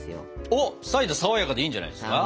おっサイダーさわやかでいいんじゃないですか。